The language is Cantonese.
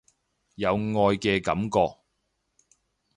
有愛嘅感覺